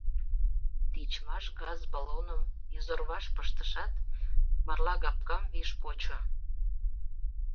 Тичмаш газ баллоным изорваш пыштышат, марлагапкам виш почо.